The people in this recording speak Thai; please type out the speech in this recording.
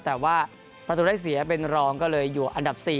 แต่ว่าประตูได้เสียเป็นรองก็เลยอยู่อันดับ๔